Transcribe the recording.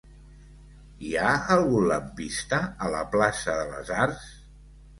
Hi ha algun lampista a la plaça de les Arts?